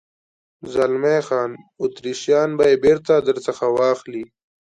زلمی خان: اتریشیان به یې بېرته در څخه واخلي.